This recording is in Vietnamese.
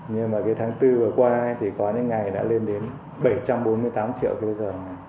nhưng mà cái tháng bốn vừa qua thì có những ngày đã lên đến bảy trăm bốn mươi tám triệu kwh